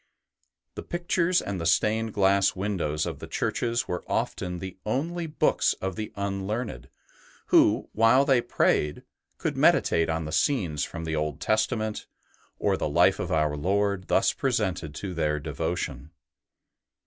The pictures and the stained glass windows of the churches were often the only books of the unlearned, who, while they prayed, could meditate on the scenes from the Old ST. BENEDICT 121 Testament, or the Life of Our Lord thus presented to their devotion.